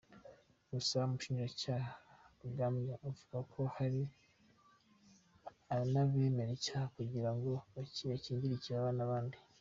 Gusa umushinjacyaha Rugambwa avuga ko “hari n’abemera icyaha kugira ngo bakingire ikibaba abandi.